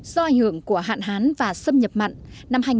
do ảnh hưởng của hạn hán và xâm nhập mặn